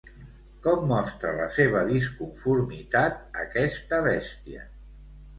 Com mostra la seva disconformitat aquesta bèstia?